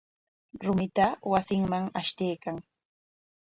Rumita wasinman ashtaykan.